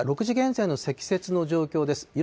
６時現在の積雪の状況です。